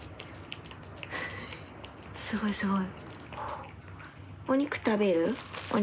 すごいすごい。